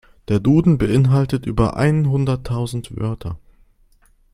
Der Duden beeinhaltet über einhunderttausend Wörter.